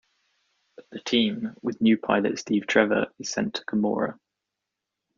The Team, with new pilot Steve Trevor is sent to Gamorra.